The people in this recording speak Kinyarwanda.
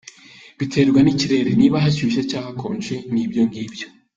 Biterwa n’ikirere, niba hashyushye cyangwa hakonje nibyo ng’ibyo.